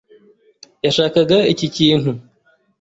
Yashakaga iki kintu.